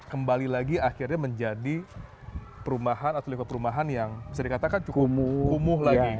kembali lagi akhirnya menjadi perumahan atau likot perumahan yang bisa dikatakan cukup kumuh lagi